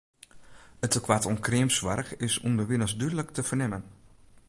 It tekoart oan kreamsoarch is ûnderwilens dúdlik te fernimmen.